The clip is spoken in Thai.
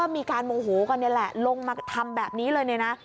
มีการโมโหกันนี่แหละลงมาทำแบบนี้เลยเนี่ยนะ